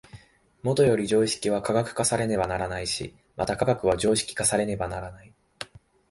もとより常識は科学化されねばならないし、また科学は常識化されねばならない。